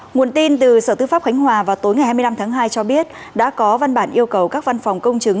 nguồn tin từ sở tư pháp khánh hòa vào tối ngày hai mươi năm tháng hai cho biết đã có văn bản yêu cầu các văn phòng công chứng